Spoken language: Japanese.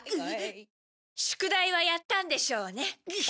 宿題はやったんでしょうね？